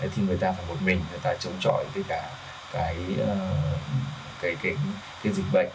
thì người ta phải một mình người ta chống chọi cái dịch bệnh